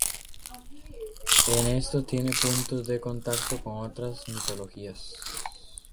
En esto tiene puntos de contacto con otras mitologías.